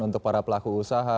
untuk para pelaku usaha